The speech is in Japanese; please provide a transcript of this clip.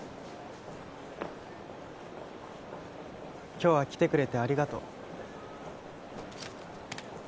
今日は来てくれてありがとう。